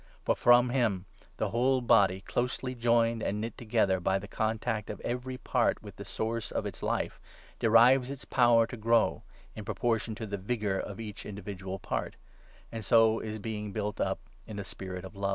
For from him the whole Body, 16 closely joined and knit together by the contact of every part with the source of its life, derives its power to grow, in proportion to the vigour of each individual part ; and so is being built up in a spirit of love.